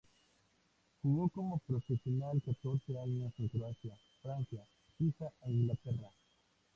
Jugó como profesional catorce años en Croacia, Francia, Suiza e Inglaterra.